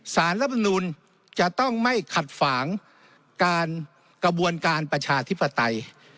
สารรัฐมนุนจะต้องไม่ขัดฝางการกระบวนการประชาธิปไตย